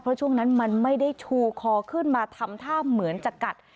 เพราะช่วงนั้นมันไม่ได้ชูคอขึ้นมาทำท่าเหมือนจะกัด